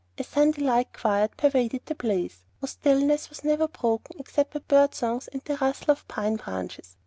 A Sunday like quiet pervaded the place, whose stillness was never broken except by bird songs and the rustle of the pine branches.